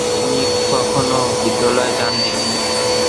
তিনি কখনো বিদ্যালয়ে যান নি।